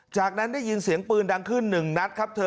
จากนั้นได้ยินเสียงปืนดังขึ้นหนึ่งนัดครับเธอ